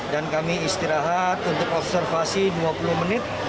dan kami istirahat untuk observasi dua puluh menit